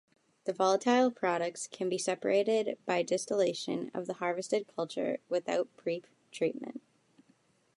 The volatile products can be separated by distillation of the harvested culture without pre-treatment.